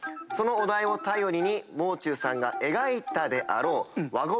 そのお題を頼りにもう中さんが描いたであろう輪